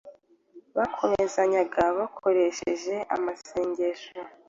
bakomezanyaga bakoresheje amasengesho